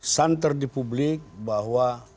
santer di publik bahwa